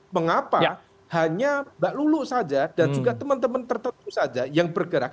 mengapa hanya mbak lulu saja dan juga teman teman tertentu saja yang bergerak